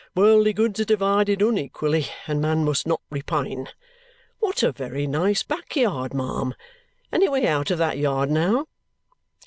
Worldly goods are divided unequally, and man must not repine. What a very nice backyard, ma'am! Any way out of that yard, now?"